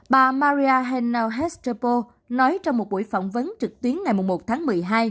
bà maria hena restrepo nói trong một buổi phỏng vấn trực tuyến ngày một tháng một mươi hai